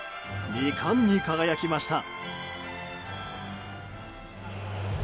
２冠に輝きました。